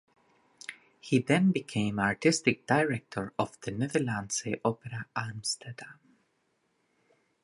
He then became artistic director of De Nederlandse Opera Amsterdam.